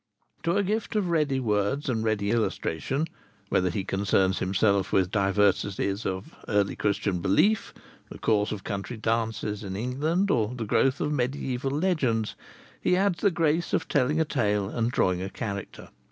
To a gift of ready words and ready illustration, whether he concerns himself with diversities of early Christian belief, the course of country dances in England, or the growth of mediaeval legends, he adds the grace of telling a tale and drawing a character.